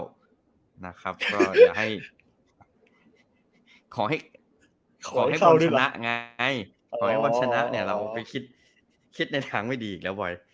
ขอให้บอลชนะไงขอให้บอลชนะเราไปคิดในทางไม่ดีอีกแล้วบ่อย